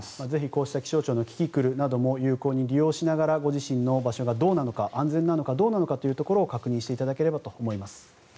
こうした気象庁のキキクルなども有効に利用しながらご自身の場所がどうなのか安全なのかどうなのかを確認していただければと思います。